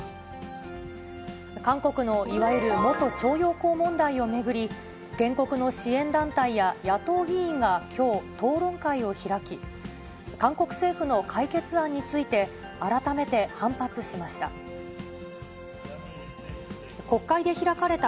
韓国のいわゆる元徴用工問題を巡り、原告の支援団体や野党議員がきょう、討論会を開き、韓国政府の解決案について、改めて反発しました。